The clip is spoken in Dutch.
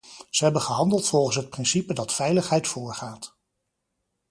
Ze hebben gehandeld volgens het principe dat veiligheid voorgaat.